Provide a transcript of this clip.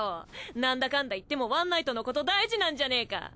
何だかんだ言ってもワンナイトのこと大事なんじゃねぇか